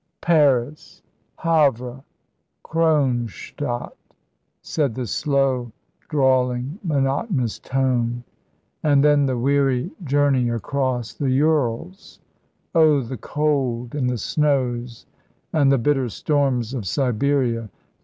"Paris Havre Kronstadt!" said the slow, drawling, monotonous tone, "and then the weary journey across the Urals. Oh, the cold and the snows and the bitter storms of Siberia!